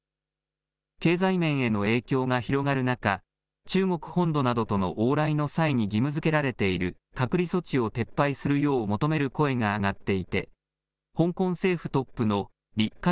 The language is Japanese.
経済面への影響が広がる中、中国本土などとの往来の際に義務づけられている隔離措置を撤廃するよう求める声が上がっていて、香港政府トップの李家